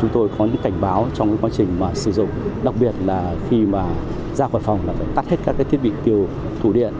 chúng tôi có những cảnh báo trong quá trình mà sử dụng đặc biệt là khi mà ra khỏi phòng là phải tắt hết các thiết bị tiêu thủ điện